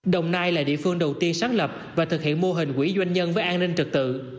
đồng nai là địa phương đầu tiên sáng lập và thực hiện mô hình quỹ doanh nhân với an ninh trực tự